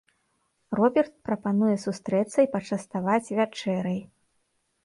Роберт прапануе сустрэцца і пачаставаць вячэрай.